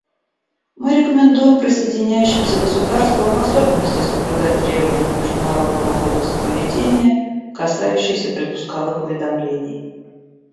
Мы рекомендуем присоединяющимся государствам в особенности соблюдать требования международного кодекса поведения, касающиеся предпусковых уведомлений.